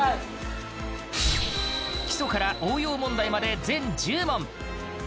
基礎から応用問題まで全１０問。